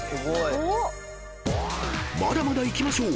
［まだまだいきましょう。